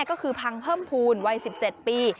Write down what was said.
ก็คือพังเพิ่มภูมิวัย๑๗ปี